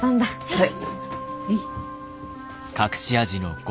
はい。